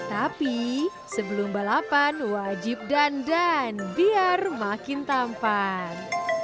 tapi sebelum balapan wajib dandan biar makin tampan